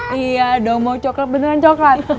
iya dong mau coklat beneran coklat